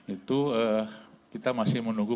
itu kita masih menunggu